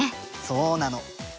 そうなの！